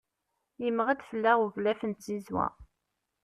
Yemmeɣ-d fell-aɣ uglaf n tzizwa.